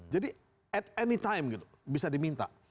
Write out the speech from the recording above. jadi at any time gitu bisa diminta